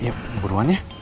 ya buruan ya